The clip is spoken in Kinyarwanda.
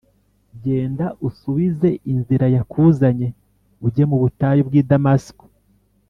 genda usubize inzira yakuzanye ujye mu butayu bw i Damasiko